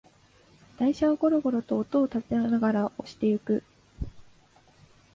台車をゴロゴロと音をたてながら押していく